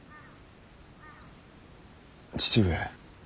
父上。